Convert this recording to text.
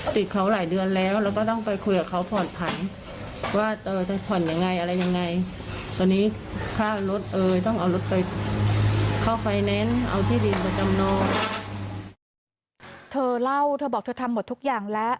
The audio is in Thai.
เธอเล่าเธอบอกเธอทำหมดทุกอย่างแล้ว